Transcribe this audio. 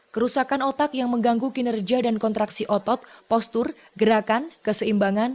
kerusakan otak yang mengganggu kinerja dan kontraksi otot postur gerakan keseimbangan